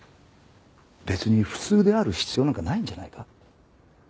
別に普通である必要なんかないんじゃないか？